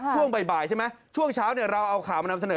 ช่วงบ่ายใช่ไหมช่วงเช้าเราเอาข่าวมานำเสนอ